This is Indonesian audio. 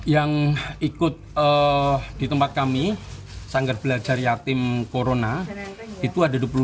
yang ikut di tempat kami sanggar belajar yatim corona itu ada dua puluh empat